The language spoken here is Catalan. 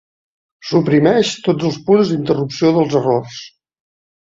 Suprimeix tots els punts d'interrupció dels errors.